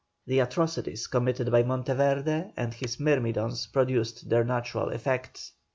The atrocities committed by Monteverde and his myrmidons produced their natural effect.